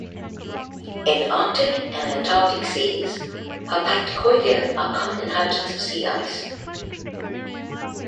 In Arctic and Antarctic seas, Harpacticoida are common inhabitants of sea ice.